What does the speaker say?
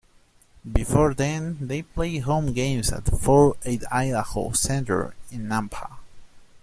Before then, they played home games at the Ford Idaho Center in Nampa.